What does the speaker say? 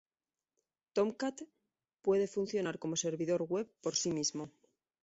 Tomcat puede funcionar como servidor web por sí mismo.